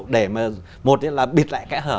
để mà một là bịt lại cái hở